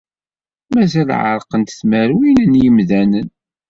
Mazal ɛerqent tmerwin n yimdanen.